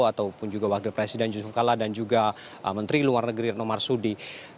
ataupun juga wakil presiden yusuf kalla dan juga menteri luar negeri reno marsudi